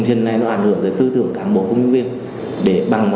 gặp rất nhiều khó khăn